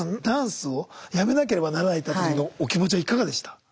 ダンスをやめなければならないとなった時のお気持ちはいかかでした？